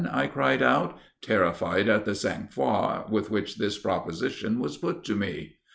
I cried out, terrified at the sang froid with which this proposition was put to me."